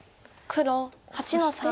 黒８の三。